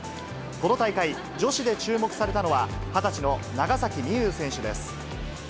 この大会、女子で注目されたのは、２０歳の長崎美柚選手です。